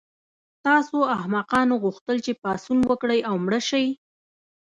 تاسو احمقانو غوښتل چې پاڅون وکړئ او مړه شئ